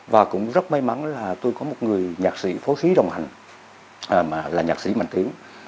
và cũng rất may mắn là tôi có một người nhạc sĩ phố khí đồng hành là nhạc sĩ mạnh tiến